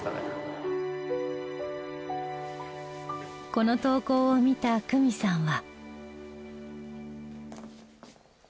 この投稿を見た久美さんは。